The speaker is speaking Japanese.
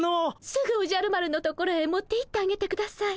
すぐおじゃる丸の所へ持っていってあげてください。